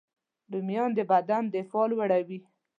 رومیان د بدن دفاع لوړوي